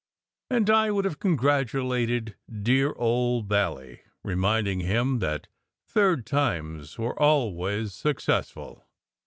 And Di would have congratulated dear old Bally, reminding him that third times were always success ful.